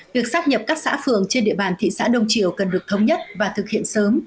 việc sắp nhập các xã phường trên địa bàn thị xã đông triều cần được thống nhất và thực hiện sớm